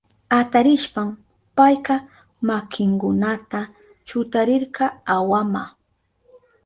Atarishpan payka makinkunata chutarirka awama.